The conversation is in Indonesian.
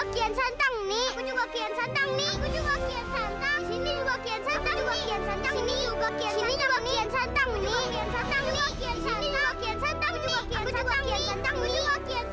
sini juga kian santang nek